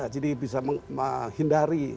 jadi bisa menghindari